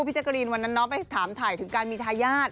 พี่จริงวันนั้นไปถามถ่ายถึงการมีทะญาติ